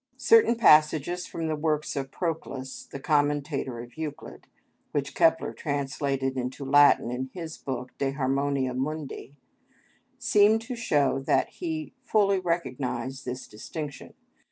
Certain passages from the works of Proclus, the commentator of Euclid, which Kepler translated into Latin in his book, "De Harmonia Mundi," seem to show that he fully recognised this distinction.